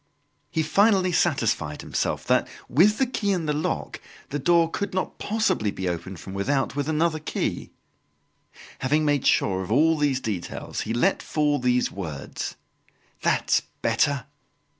He finally satisfied himself that with the key in the lock, the door could not possibly be opened from without with another key. Having made sure of all these details, he let fall these words: "That's better!"